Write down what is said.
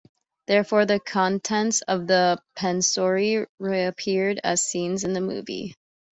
Therefore, the contents of the Pansori reappear as scenes in the movie.